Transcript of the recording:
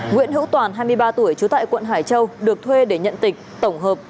nguyễn hữu toàn hai mươi ba tuổi trú tại quận hải châu được thuê để nhận tịch tổng hợp